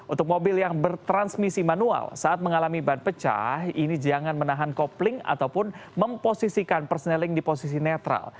untuk mobil yang bertransmisi manual saat mengalami ban pecah ini jangan menahan kopling ataupun memposisikan perseneling di posisi netral